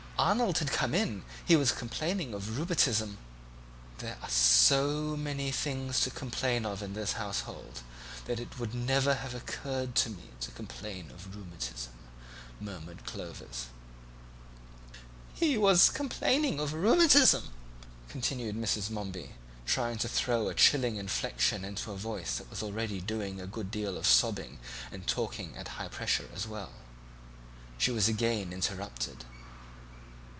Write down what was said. "Arnold had just come in; he was complaining of rheumatism " "There are so many things to complain of in this household that it would never have occurred to me to complain of rheumatism," murmured Clovis. "He was complaining of rheumatism," continued Mrs. Momeby, trying to throw a chilling inflection into a voice that was already doing a good deal of sobbing and talking at high pressure as well. She was again interrupted.